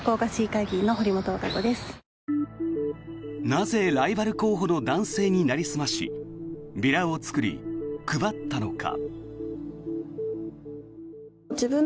なぜ、ライバル候補の男性になりすましビラを作り、配ったのか。